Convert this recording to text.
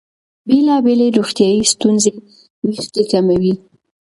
بېلابېلې روغتیايي ستونزې وېښتې کموي.